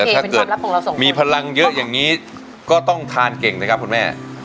เป็นความลับของเราสองคนมีพลังเยอะอย่างนี้ก็ต้องทานเก่งนะครับคุณแม่